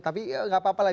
tapi ya enggak apa apa lah